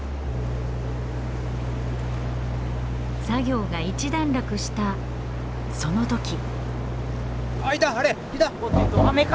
作業が一段落したその時。